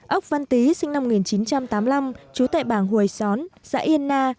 ốc văn tý sinh năm một nghìn chín trăm tám mươi năm trú tại bản hùi xón xã yên na